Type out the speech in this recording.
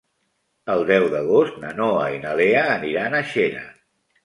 El deu d'agost na Noa i na Lea aniran a Xera.